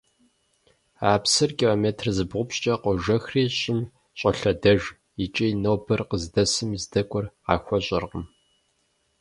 А псыр километр зыбгъупщӀкӀэ къожэхри, щӀым щӀолъэдэж икӏи нобэр къыздэсым здэкӀуэр къахуэщӀэркъым.